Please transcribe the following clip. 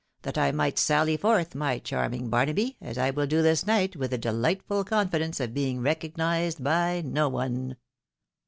" That I might sally forth, my charming Barnaby, as I will do this night, with the de lightful confidence of being recognised by no one."